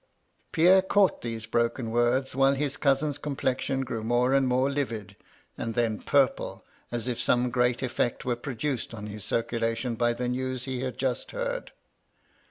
Pierre caught these broken words while his cousin's complexion grew more and more livid, and then purple, as if some great efiiBCt were produced on his circulation by the news he had just heard.